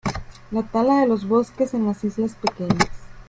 La tala de los bosques en las islas pequeñas.